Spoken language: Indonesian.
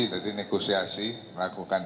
jadi negosiasi melakukan